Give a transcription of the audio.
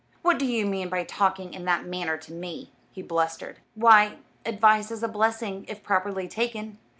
"What do you mean by talking in that manner to me?" he blustered. "Why, advice is a blessing, if properly taken.